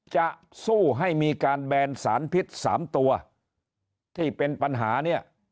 จะสู้ให้มีการแบนสารพิษ๓ตัวที่เป็นปัญหาเนี่ย